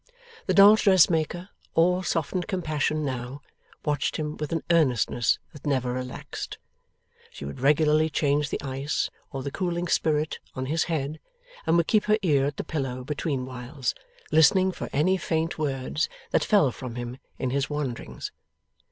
The dolls' dressmaker, all softened compassion now, watched him with an earnestness that never relaxed. She would regularly change the ice, or the cooling spirit, on his head, and would keep her ear at the pillow betweenwhiles, listening for any faint words that fell from him in his wanderings.